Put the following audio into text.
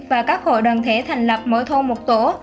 và các hội đoàn thể thành lập mỗi thôn một tổ